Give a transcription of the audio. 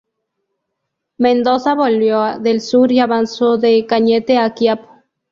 Mendoza volvió del sur y avanzó de Cañete a Quiapo.